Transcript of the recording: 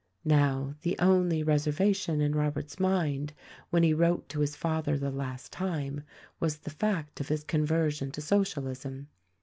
Now, the only reservation in Robert's mind when he wrote to his father the last time was the fact of his conver sion to Socialism.